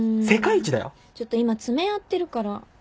ちょっと今爪やってるから。